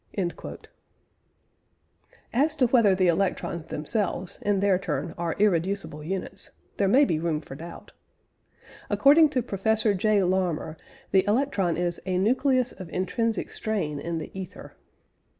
" As to whether the electrons themselves, in their turn, are irreducible units, there may be room for doubt. According to Professor J. Larmor the electron is "a nucleus of intrinsic strain in the ether."